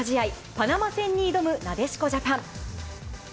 パナマ戦に挑むなでしこジャパン。